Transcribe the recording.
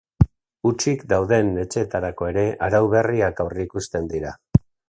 Hutsik dauden etxeetarako ere arau berriak aurreikusten dira.